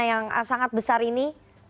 yang sangat besar ini